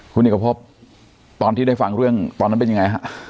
คุณเอกพบตอนที่ได้ฟังเรื่องตอนนั้นเป็นยังไงฮะ